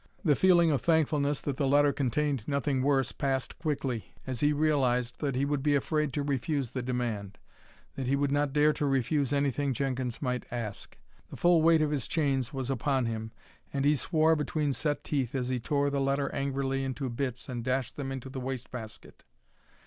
The feeling of thankfulness that the letter contained nothing worse passed quickly, as he realized that he would be afraid to refuse the demand, that he would not dare to refuse anything Jenkins might ask. The full weight of his chains was upon him, and he swore between set teeth as he tore the letter angrily into bits and dashed them into the waste basket.